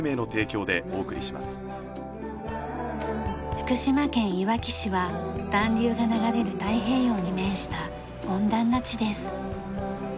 福島県いわき市は暖流が流れる太平洋に面した温暖な地です。